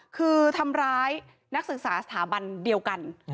คือทำร้ายนักศึกษาสถาบันเดียวกัน